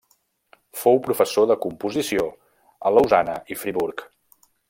Fou professor de composició a Lausana i Friburg.